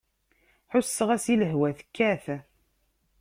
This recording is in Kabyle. Ḥusseɣ-as i lehwa tekkat.